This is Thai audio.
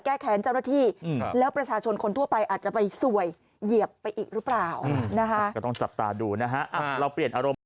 แก้แค้นเจ้าหน้าที่แล้วประชาชนคนทั่วไปอาจจะไปสวยเหยียบไปอีกหรือเปล่านะฮะก็ต้องจับตาดูนะฮะเราเปลี่ยนอารมณ์